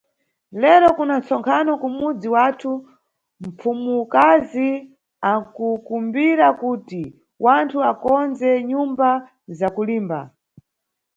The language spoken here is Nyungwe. Lero kuna nʼtsonkhano kumudzi wathu, mpfumukazi akukumbira kuti wanthu akondze nyumba za kulimba.